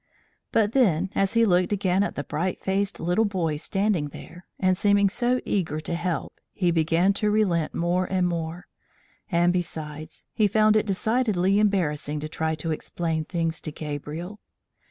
But then as he looked again at the bright faced little boy standing there, and seeming so eager to help, he began to relent more and more; and besides, he found it decidedly embarrassing to try to explain things to Gabriel.